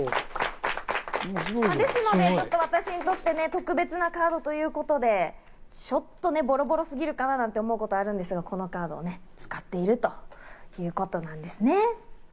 ですので、私にとって特別なカードということで、ちょっとボロボロすぎるかな？なんて思うことがあるんですが、このカードを使っているということなんですね。